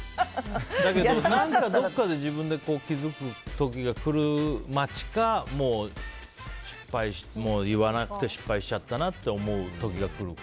だけどどこかで自分で気づく時がくる待ちか言わなくて失敗しちゃったなって思う時が来るか。